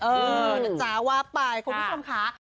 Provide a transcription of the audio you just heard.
เออนะจ๊ะว่าไปคุณผู้ชมค่ะ